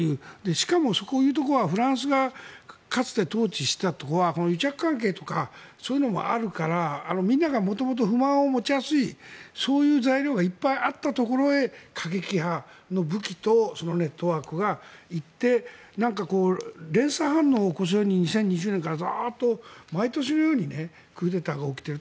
しかもそういうところはフランスがかつて統治していたところは癒着関係とかそういうのもあるからみんなが元々不満を持ちやすいそういう材料がいっぱいあったところへ過激派の武器とネットワークが行って連鎖反応を起こすように２０２０年からダーッと毎年のようにクーデターが起きている。